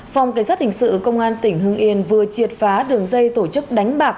phòng cảnh sát hình sự công an tỉnh hưng yên vừa triệt phá đường dây tổ chức đánh bạc